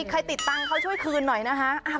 ติดตังค์เขาช่วยคืนหน่อยนะคะ